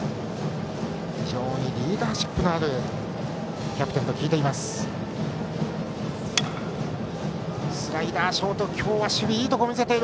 非常にリーダーシップのあるキャプテンと効いています、田中。